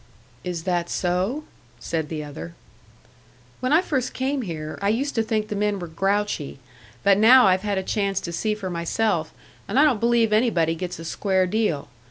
"Is that so?" said the other. "When I first came here, I used to think the men were grouchy. But now I've had a chance to see for myself, and I don't believe anybody gets a square deal.